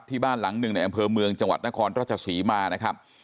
บ้านหลังหนึ่งในอำเภอเมืองจังหวัดนครราชศรีมานะครับ